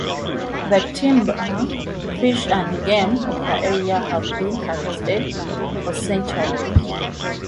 The timber, fish, and game of the area have been harvested for centuries.